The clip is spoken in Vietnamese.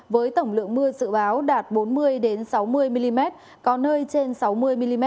với tổng lượng mưa dự báo đạt bốn mươi sáu mươi mm có nơi trên sáu mươi mm